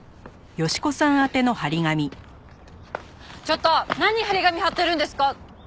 ちょっと何貼り紙貼ってるんですか。